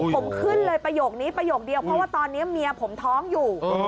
ผมขึ้นเลยประโยคนี้ประโยคเดียวเพราะว่าตอนนี้เมียผมท้องอยู่